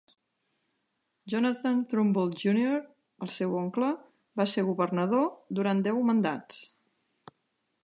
Jonathan Trumbull Junior, el seu oncle, va ser governador durant deu mandats.